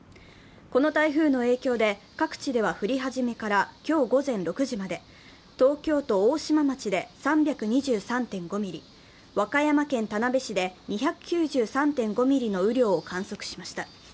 この台風の影響で各地では降り始めから今日午前６時まで、東京都大島町で３２３．５ミリ、和歌山県田辺市で２９３．５ミリの雨量を観測しました。